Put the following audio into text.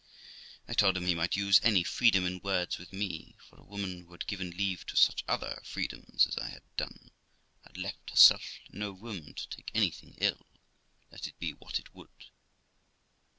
I told him he might use any freedom in words with me; for a woman who had given leave to such other freedoms as I had done had left herself no room to take anything ill, let it be what it would.